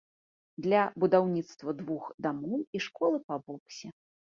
Для будаўніцтва двух дамоў і школы па боксе.